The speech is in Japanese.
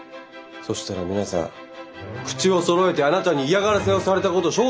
そしたら皆さん口をそろえてあなたに嫌がらせをされたこと証言してくれました。